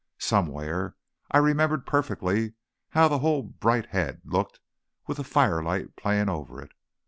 Somewhere. I remembered perfectly how the whole bright head looked with the firelight playing over it.